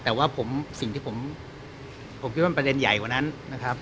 แต่ว่าสิ่งที่ผมคิดว่าประเด็นใหญ่กว่านั้นนะครับ